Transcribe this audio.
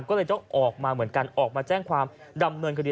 ก็เลยต้องออกมาเหมือนกันออกมาแจ้งความดำเนินคดี